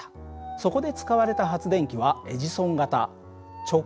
そこで使われた発電機はエジソン型直流発電機です。